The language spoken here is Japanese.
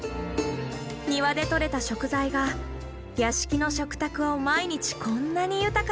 庭で採れた食材が屋敷の食卓を毎日こんなに豊かにしてくれる。